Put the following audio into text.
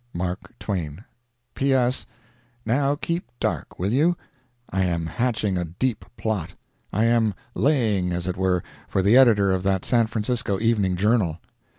MARK TWAIN P.S.—Now keep dark, will you? I am hatching a deep plot. I am "laying," as it were, for the editor of that San Francisco Evening Journal.